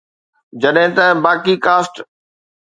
جڏهن ته باقي ڪاسٽ